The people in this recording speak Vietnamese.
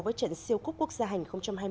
với trận siêu cúp quốc gia hành hai mươi